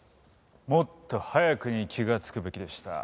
もっと早くに気がつくべきでした。